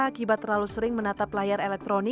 akibat terlalu sering menatap layar elektronik